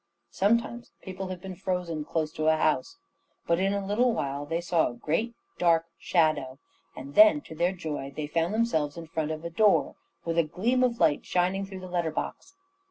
Sometimes people have been frozen close to a house, but in a little while they saw a great dark shadow; and then to their joy they found themselves in front of a door, with a gleam of light shining through the letter box.